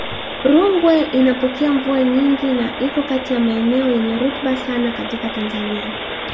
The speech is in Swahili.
Rungwe inapokea mvua nyingi na iko kati ya maeneo yenye rutuba sana katika Tanzania